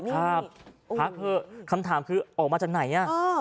พักเถอะคำถามคือออกมาจากไหนอ่ะ